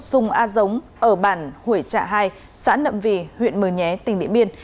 sùng a giống ở bản hủy trạ hai xã nậm vy huyện mường nhé tỉnh điện biên